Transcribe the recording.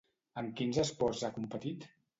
En quins esports ha competit?